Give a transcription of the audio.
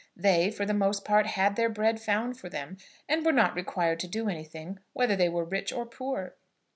They, for the most part, had their bread found for them; and were not required to do anything, whether they were rich or poor.